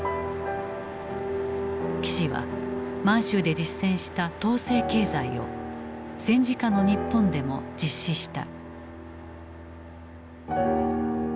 岸は満州で実践した統制経済を戦時下の日本でも実施した。